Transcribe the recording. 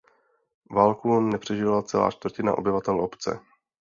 Válku nepřežila celá čtvrtina obyvatel obce.